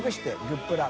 「グップラ」